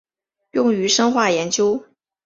用于生化研究。